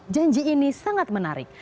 janji ini sangat menarik